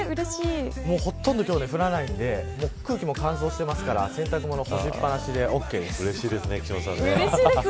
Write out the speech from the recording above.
ほとんど今日は降らないんで空気も乾燥してますから洗濯物うれしいです。